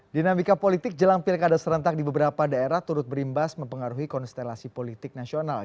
dinamika politik jelang pilkada serentak di beberapa daerah turut berimbas mempengaruhi konstelasi politik nasional